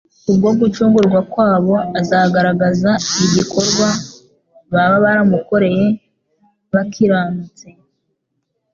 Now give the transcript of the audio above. kubwo gucungurwa kwabo, azagaragaza igikorwa baba baramukoreye bakiranutse